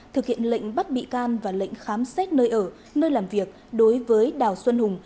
thực hiện lệnh bắt bị can và lệnh khám xét nơi ở nơi làm việc đối với đào xuân hùng